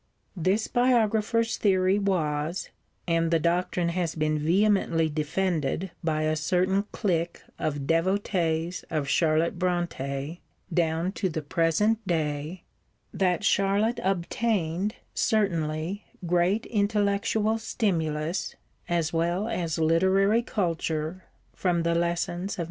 This biographer's theory was (and the doctrine has been vehemently defended by a certain clique of devotees of Charlotte Brontë down to the present day) that Charlotte obtained, certainly, great intellectual stimulus, as well as literary culture, from the lessons of M.